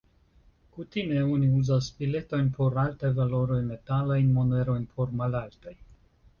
Kutime oni uzas biletojn por altaj valoroj, metalajn monerojn por malaltaj.